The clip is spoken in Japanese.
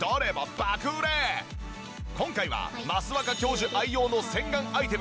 今回は益若教授愛用の洗顔アイテム。